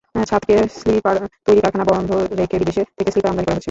ছাতকে sleeper তৈরি কারখানা বন্ধ রেখে বিদেশ থেকে স্লিপার আমদানি করা হচ্ছে।